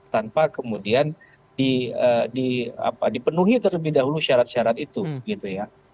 tanpa kemudian dipenuhi terlebih dahulu syarat syarat itu